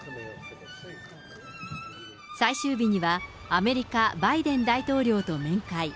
最終日にはアメリカ、バイデン大統領と面会。